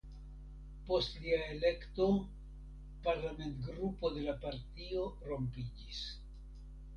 Post lia elekto parlamentgrupo de la partio rompiĝis.